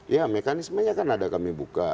ya mekanisme nya kan ada kami buka